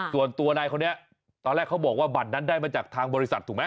ส่วนตัวนายคนนี้ตอนแรกเขาบอกว่าบัตรนั้นได้มาจากทางบริษัทถูกไหม